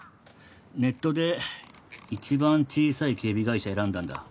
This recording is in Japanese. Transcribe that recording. ネットで一番小さい警備会社選んだんだ。